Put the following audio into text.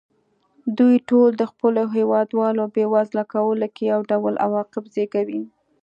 دوی ټول د خپلو هېوادوالو بېوزله کولو کې یو ډول عواقب زېږوي.